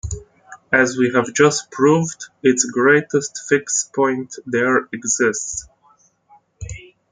As we have just proved, its greatest fixpoint there exists.